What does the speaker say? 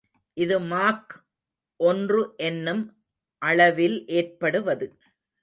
இது மாக் ஒன்று என்னும் அளவில் ஏற்படுவது.